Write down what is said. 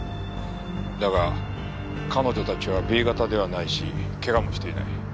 だが彼女たちはＢ型ではないし怪我もしていない。